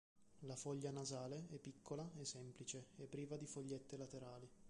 La foglia nasale è piccola e semplice e priva di fogliette laterali.